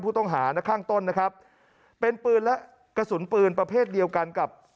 ผู้ต้องหานะข้างต้นนะครับเป็นปืนและกระสุนปืนประเภทเดียวกันกับ